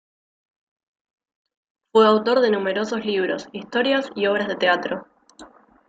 Fue autor de numerosos libros, historias y obras de teatro.